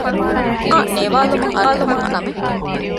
ލޭހިނގުމާއި ނޭވާލުމަށް އަރާމުހުރި ކަމެއް